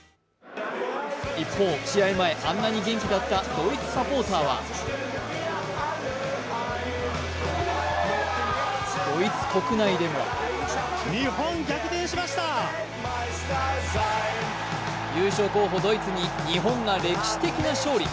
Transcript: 一方、試合前、あんなに元気だったドイツサポーターはドイツ国内でも優勝候補・ドイツに日本が歴史的な勝利。